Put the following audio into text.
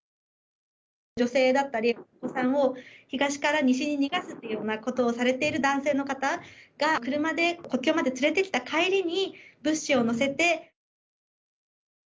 女性だったり、お子さんを東から西に逃がすっていうようなことをされている男性の方が、車で国境まで連れてきた帰りに、物資を載せて。